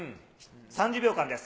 ３０秒間です。